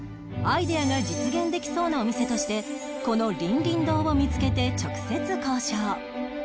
アイデアが実現できそうなお店としてこの凛々堂を見つけて直接交渉